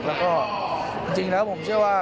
แล้วก็จริงแล้วผมเชื่อว่า